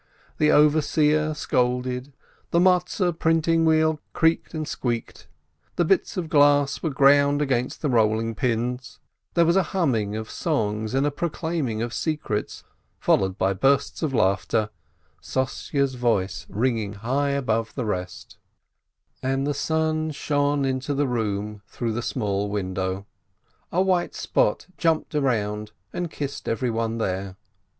The overseer scolded, the Matzes printing wheel creaked and squeaked, the bits of glass were ground against the rolling pins, there was a humming of songs and a proclaiming of secrets, followed by bursts of laughter, Sossye's voice ringing high above the rest. AT THE MATZES 265 And the sun shone into the room through the small window — a white spot jumped around and kissed every one there.